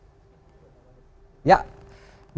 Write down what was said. dan juga ada jero wacik mantan menteri pariwisata